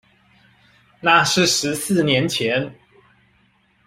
那是十四年前